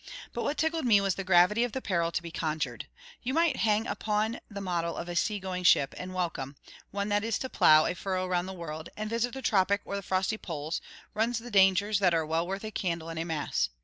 But what tickled me was the gravity of the peril to be conjured. You might hang up the model of a sea going ship, and welcome: one that is to plough a furrow round the world, and visit the tropic or the frosty poles, runs dangers that are well worth a candle and a mass.